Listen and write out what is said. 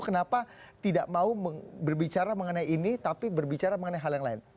kenapa tidak mau berbicara mengenai ini tapi berbicara mengenai hal yang lain